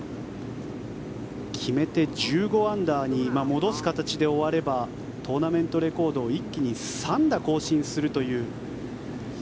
決めて１５アンダーに戻す形で終わればトーナメントレコードを一気に３打更新するという。